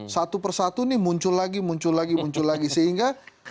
satu persatu ini muncul lagi muncul lagi muncul lagi sehingga